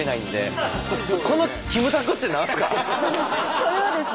これはですね